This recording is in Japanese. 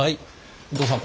伊藤さん